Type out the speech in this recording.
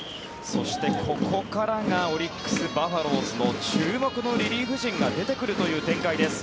そして、ここからがオリックス・バファローズの注目のリリーフ陣が出てくるという展開です。